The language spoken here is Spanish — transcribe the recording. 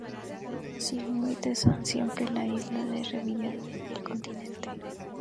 Sus límites son siempre la isla de Revillagigedo y el continente.